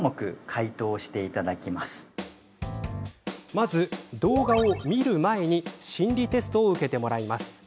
まず、動画を見る前に心理テストを受けてもらいます。